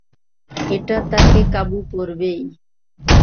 এটা তাকে কাবু করবেই।